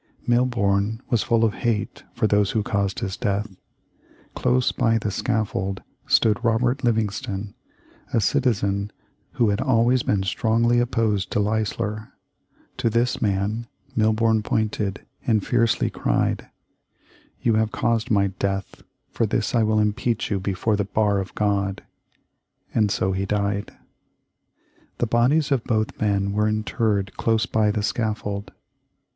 Milborne was full of hate for those who caused his death. Close by the scaffold stood Robert Livingston, a citizen who had always been strongly opposed to Leisler. To this man Milborne pointed, and fiercely cried: "You have caused my death. For this I will impeach you before the Bar of God." And so he died. The bodies of both men were interred close by the scaffold.